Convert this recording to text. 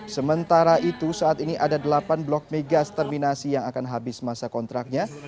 sementara itu saat ini ada delapan blok migas terminasi yang akan habis masa kontraknya